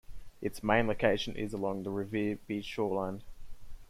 Its main location is along the Revere Beach shoreline.